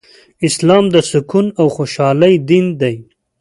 اسلام د سکون او خوشحالۍ دين دی